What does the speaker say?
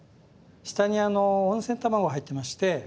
下に温泉卵が入っていまして。